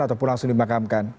ataupun langsung dimakamkan